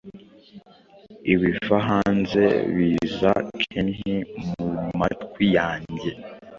Ibiva hanze biza kenhi mumatwi yanjye,